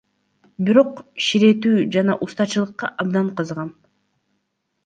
Бирок ширетүү жана устачылыкка абдан кызыгам.